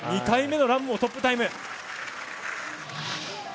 ２回目のランもトップタイム。